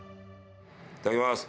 いただきます。